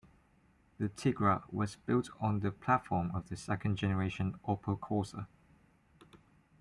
The Tigra was built on the platform of the second generation Opel Corsa.